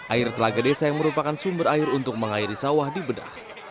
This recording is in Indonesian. air telaga desa yang merupakan sumber air untuk mengairi sawah di bedah